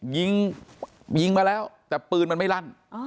ยิงยิงมาแล้วแต่ปืนมันไม่ลั่น